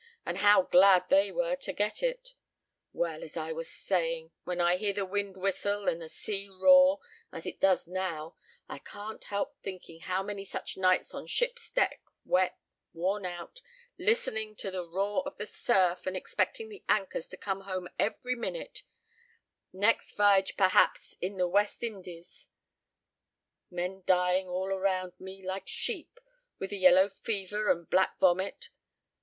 and how glad they were to get it! Well, as I was saying, when I hear the wind whistle, and the sea roar, as it does now, I can't help thinking how many such nights on ship's deck, wet, worn out, listening to the roar of the surf, and expecting the anchors to come home every minute; next 'vige' perhaps in the West Indies; men dying all around me, like sheep, with the yellow fever and black vomit.